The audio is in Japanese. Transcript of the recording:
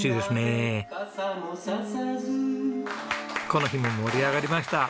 この日も盛り上がりました。